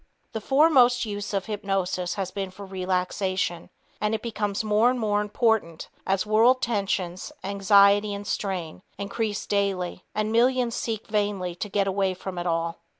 The foremost use of hypnosis has been for relaxation, and it becomes more and more important as world tensions, anxiety and strain increase daily and millions seek vainly to "get away from it all."